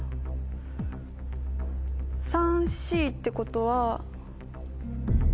３Ｃってことは。